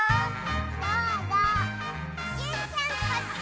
どうぞジュンちゃんこっち！